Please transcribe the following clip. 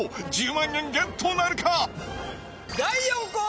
１０万円ゲットなるか！？